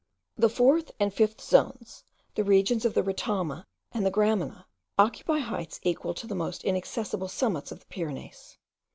The fourth and fifth zones, the regions of the retama and the gramina, occupy heights equal to the most inaccessible summits of the Pyrenees.